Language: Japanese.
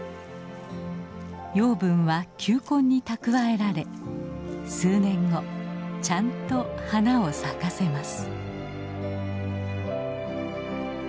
養分は球根に蓄えられ数年後ちゃんと花を咲かせます。